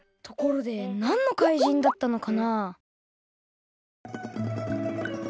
ところでなんのかいじんだったのかな？